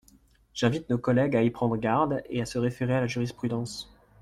J’invite nos collègues à y prendre garde et à se référer à la jurisprudence.